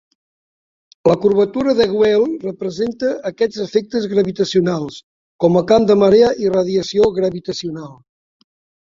La curvatura de Weyl representa aquests efectes gravitacionals com a camp de marea i radiació gravitacional.